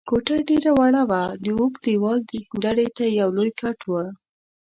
کوټه ډېره وړه وه، د اوږد دېوال ډډې ته یو لوی کټ و.